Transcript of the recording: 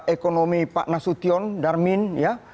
ekonomi pak nasution darmin ya